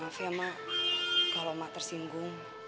maaf ya mak kalau mak tersinggung